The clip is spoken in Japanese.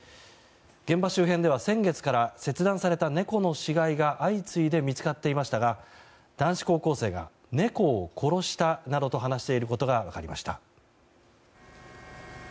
現場周辺では先月から切断された猫の死骸が相次いで見つかっていましたが男子高校生が猫を殺したなどと話していることが分かりました。